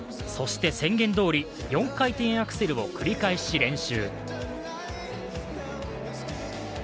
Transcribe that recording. そして、宣言どおり４回転アクセルを繰り返し練習。